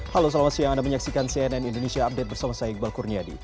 halo selamat siang anda menyaksikan cnn indonesia update bersama saya iqbal kurniadi